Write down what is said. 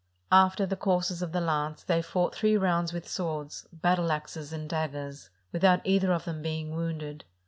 After the courses of the lance, they fought three rounds with swords, battle axes, and daggers, without either of them being wounded.